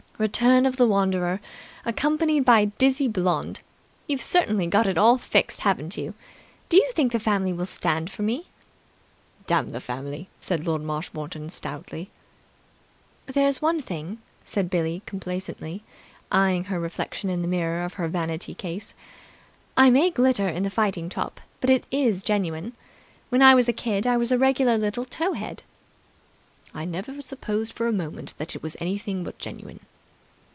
"Return of the wanderer, accompanied by dizzy blonde! You've certainly got it all fixed, haven't you! Do you think the family will stand for me?" "Damn the family!" said Lord Marshmoreton, stoutly. "There's one thing," said Billie complacently, eyeing her reflection in the mirror of her vanity case, "I may glitter in the fighting top, but it is genuine. When I was a kid, I was a regular little tow head." "I never supposed for a moment that it was anything but genuine."